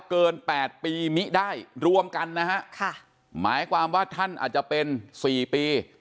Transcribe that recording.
เกินแปดปีมิได้รวมกันนะฮะค่ะหมายความว่าท่านอาจจะเป็นสี่ปี